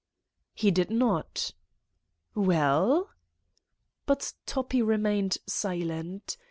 "He did not!" "Well?" But Toppi remained silent.